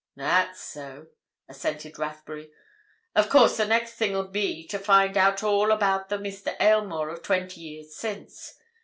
"That's so," assented Rathbury. "Of course, the next thing'll be to find out all about the Mr. Aylmore of twenty years since.